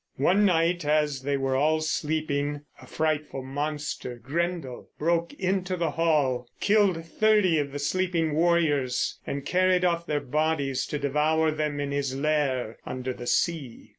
One night, as they were all sleeping, a frightful monster, Grendel, broke into the hall, killed thirty of the sleeping warriors, and carried off their bodies to devour them in his lair under the sea.